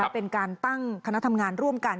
เป็นการตั้งคณะทำงานร่วมกัน